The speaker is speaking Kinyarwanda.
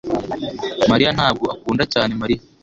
mariya ntabwo akunda cyane Mariya